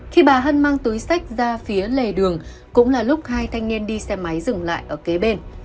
khi bà hân mang túi sách ra phía lề đường cũng là lúc hai thanh niên đi xe máy dừng lại ở kế bên